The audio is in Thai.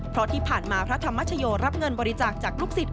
เพราะที่ผ่านมาพระธรรมชโยรับเงินบริจาคจากลูกศิษย